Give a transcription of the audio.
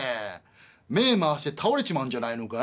目回して倒れちまうんじゃないのかい？」。